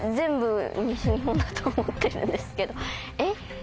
えっ？